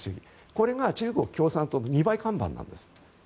これが中国共産党の二枚看板なんです。